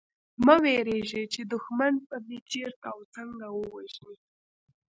مه وېرېږی چي دښمن به مي چېرته او څنګه ووژني